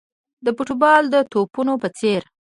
د فوټبال د توپونو په څېر.